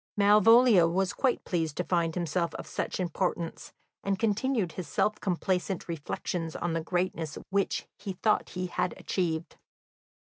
Malvolio was quite pleased to find himself of such importance, and continued his self complacent reflections on the greatness which he thought he had achieved.